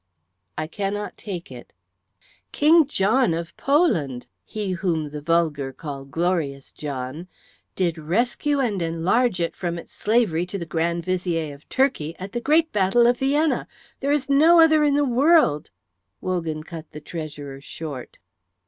"I cannot take it." "King John of Poland, he whom the vulgar call Glorious John, did rescue and enlarge it from its slavery to the Grand Vizier of Turkey at the great battle of Vienna. There is no other in the world " Wogan cut the treasurer short.